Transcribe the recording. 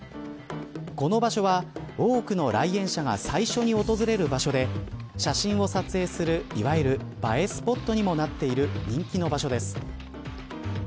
この場所は、多くの来園者が最初に訪れる場所で写真を撮影するいわゆる映えスポットにもなっている人気の場所です。